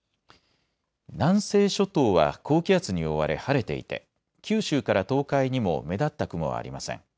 南西諸島は高気圧に覆われ晴れていて九州から東海にも目立った雲はありません。